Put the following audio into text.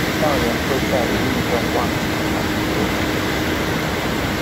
讓人會在無意中忘記考慮左撇子